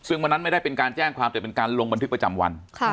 ซึ่งวันนั้นไม่ได้เป็นการแจ้งความแต่เป็นการลงบันทึกประจำวัน